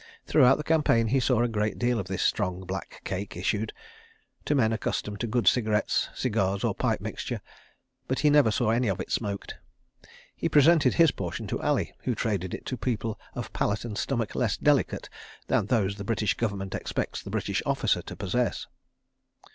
Throughout the campaign he saw a great deal of this strong, black cake issued (to men accustomed to good cigarettes, cigars or pipe mixture), but he never saw any of it smoked. He presented his portion to Ali, who traded it to people of palate and stomach less delicate than those the British Government expects the British officer to possess.